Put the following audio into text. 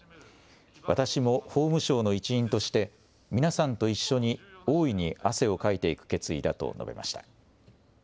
私も法務省の一員として皆さんと一緒に大いに汗をかいていく決意だと述べました。